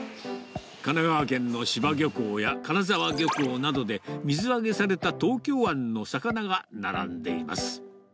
神奈川県の柴漁港や金沢漁港などで水揚げされた東京湾の魚が並んでいます。